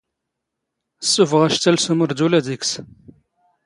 ⵉⵙⵙⵓⴼⵖ ⴰⵛⵜⴰⵍ ⵙ ⵓⵎⵔⴷⵓⵍ ⴰⴷ ⵉⴽⵙ.